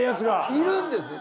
いるんですね！